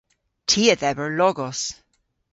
Ty a dheber logos.